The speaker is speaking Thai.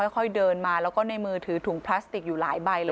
ค่อยเดินมาแล้วก็ในมือถือถุงพลาสติกอยู่หลายใบเลย